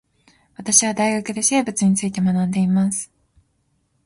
私は大学で生物について学んでいます